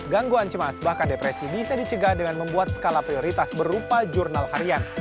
gangguan cemas bahkan depresi bisa dicegah dengan membuat skala prioritas berupa jurnal harian